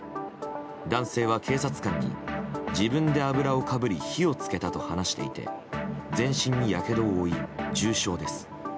男性は警察官に自分で油をかぶり火をつけたと話していて全身にやけどを負い、重傷です。